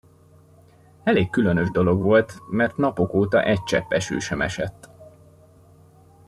Elég különös dolog volt, mert napok óta egy csepp eső sem esett.